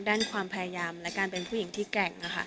ด้านความพยายามและการเป็นผู้หญิงที่แกร่งนะคะ